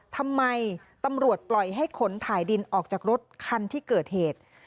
ทำไมตำรวจปล่อยให้ขนถ่ายดินออกจากรถคันที่เกิดเหตุ